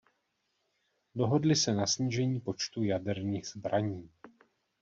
Dohodly se na snížení počtu jaderných zbraní.